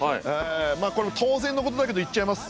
これも当然のことだけど言っちゃいます。